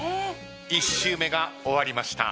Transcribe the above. １周目が終わりました。